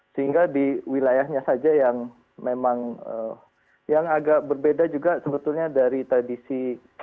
sehingga di wilayahnya saja yang memang yang agak berbeda juga sebetulnya dari tradisi